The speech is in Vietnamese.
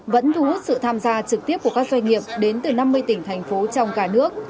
vẫn thu hút sự tham gia trực tiếp của các doanh nghiệp đến từ năm mươi tỉnh thành phố trong cả nước